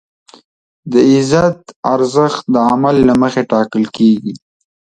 د عزت ارزښت د عمل له مخې ټاکل کېږي.